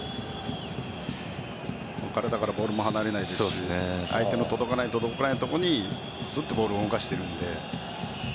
体からボールが離れないですし相手の届かないところにボールを動かしているので。